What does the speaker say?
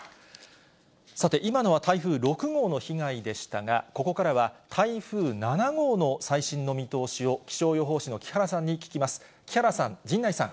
さて、今のは台風６号の被害でしたが、ここからは台風７号の最新の見通しを、気象予報士の木原さんに聞きます。